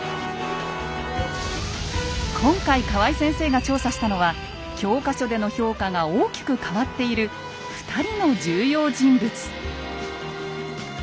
今回河合先生が調査したのは教科書での評価が大きく変わっている２人の重要人物。